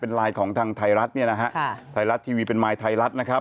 เป็นไลน์ของทางไทยรัฐนี่นะครับ